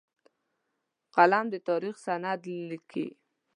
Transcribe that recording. قلم د تاریخ سند لیکي